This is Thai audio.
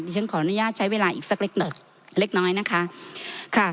ดิฉันขออนุญาตใช้เวลาอีกสักเล็กน้อยนะคะ